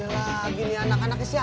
ya lah gini anak anak mesures